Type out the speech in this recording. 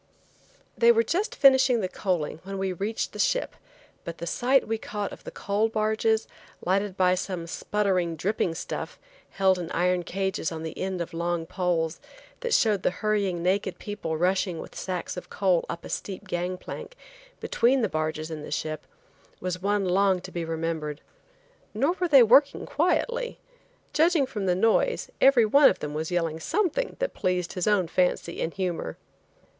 They were just finishing the coaling when we reached the ship, but the sight we caught of the coal barges, lighted by some sputtering, dripping stuff, held in iron cages on the end of long poles, that showed the hurrying naked people rushing with sacks of coal up a steep gangplank, between the barges and the ship, was one long to be remembered. Nor were they working quietly. Judging from the noise, every one of them was yelling something that pleased his own fancy and humor.